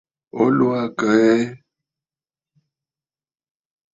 O lɔ̀ɔ̀ aa àkə̀ aa ɛ?